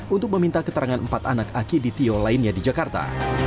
untuk meminta keterangan empat anak akidi tio lainnya di jakarta